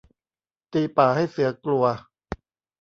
ตีป่าให้เสือกลัว